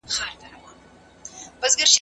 شاګرد ته پکار ده چي خپله لیکنیزه انشا سمه زده کړي.